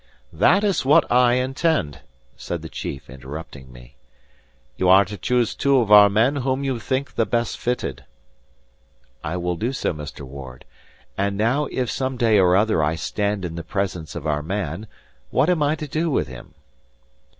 "That is what I intend," said the chief, interrupting me. "You are to choose two of our men whom you think the best fitted." "I will do so, Mr. Ward. And now, if some day or other I stand in the presence of our man, what am I to do with him?"